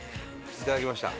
いただきました。